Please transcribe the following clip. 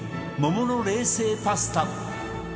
桃の冷製パスタ